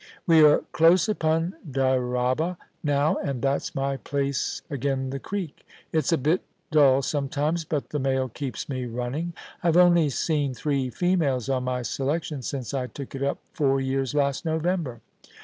* We are close upon Dyraaba now, and that's my place agen the creek. It's a bit dull sometimes, but the mail keeps me running. IVe only seen three females on my selection since I took it up four years last November.